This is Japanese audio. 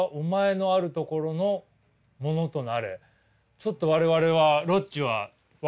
ちょっと我々はロッチは分からないです。